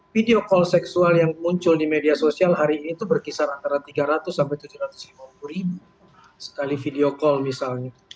video call seksual yang muncul di media sosial hari ini itu berkisar antara tiga ratus sampai tujuh ratus lima puluh ribu sekali video call misalnya